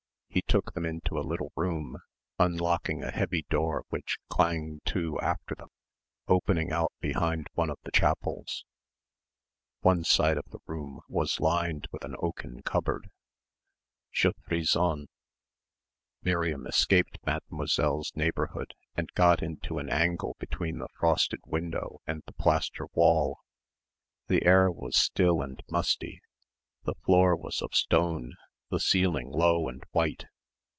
He took them into a little room, unlocking a heavy door which clanged to after them, opening out behind one of the chapels. One side of the room was lined with an oaken cupboard. "Je frissonne." Miriam escaped Mademoiselle's neighbourhood and got into an angle between the frosted window and the plaster wall. The air was still and musty the floor was of stone, the ceiling low and white.